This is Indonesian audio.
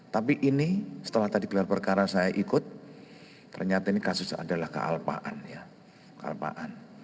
tapi ini setelah tadi gelar perkara saya ikut ternyata ini kasus adalah kealpaan ya kealpaan